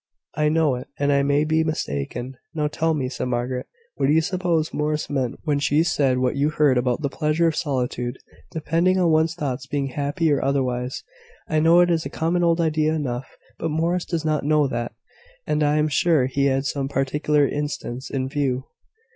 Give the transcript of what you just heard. "I know it, and I may be mistaken." "Now tell me," said Margaret, "what you suppose Morris meant when she said what you heard about the pleasure of solitude depending on one's thoughts being happy or otherwise. I know it is a common old idea enough; but Morris does not know that; and I am sure she had some particular instance in view.